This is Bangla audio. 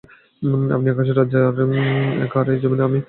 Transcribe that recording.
আপনি আকাশ রাজ্যে একা আর এই যমীনে আমি একাই আপনার ইবাদত করছি।